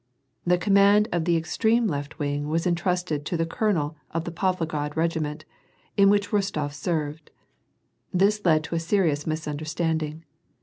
The command of the extreme h*ft wing was entrusted to the colonel of the Pavlograd rec^inient, in which Rostof served. This led to a serious misunderstand ing.